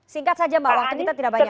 singkat saja mbak waktu kita tidak banyak